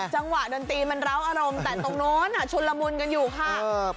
จังหวะดนตรีมันร้าวอารมณ์แต่ตรงโน้นชุนละมุนกันอยู่ค่ะ